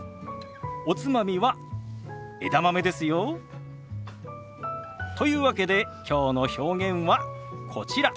おつまみは枝豆ですよ。というわけできょうの表現はこちら。